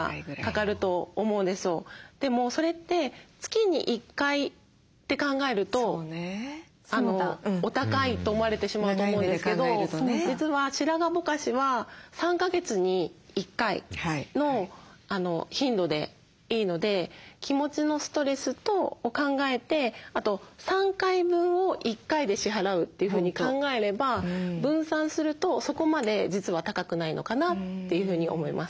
でもそれって月に１回って考えるとお高いと思われてしまうと思うんですけど実は白髪ぼかしは３か月に１回の頻度でいいので気持ちのストレスを考えてあと３回分を１回で支払うというふうに考えれば分散するとそこまで実は高くないのかなというふうに思います。